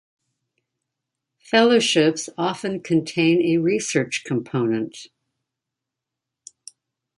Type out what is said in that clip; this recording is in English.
Fellowships often contain a research component.